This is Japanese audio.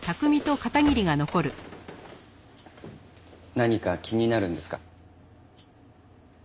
何か気になるんですか？